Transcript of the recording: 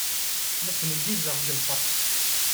La ttneggizeɣ seg lfeṛḥ.